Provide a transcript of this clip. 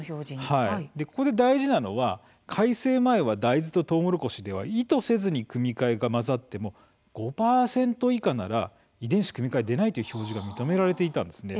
ここで大事なのは改正前は大豆と、とうもろこしでは意図せずに組み換えが混ざっても５％以下なら「遺伝子組み換えでない」という表示が認められていたんです。